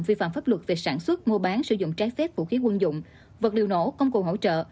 vi phạm pháp luật về sản xuất mua bán sử dụng trái phép vũ khí quân dụng vật liệu nổ công cụ hỗ trợ